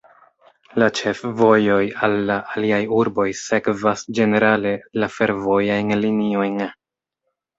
La ĉefvojoj al la aliaj urboj sekvas ĝenerale la fervojajn liniojn.